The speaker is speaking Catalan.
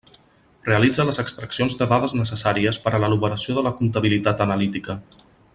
Realitza les extraccions de dades necessàries per a l'elaboració de la comptabilitat analítica.